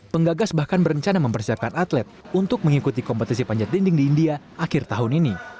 penggagas bahkan berencana mempersiapkan atlet untuk mengikuti kompetisi panjat dinding di india akhir tahun ini